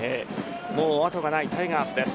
もう後がないタイガースです。